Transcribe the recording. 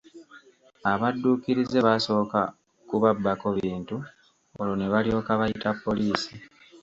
Abadduukirize baasoka kubabbako bintu olwo ne balyoka bayita poliisi.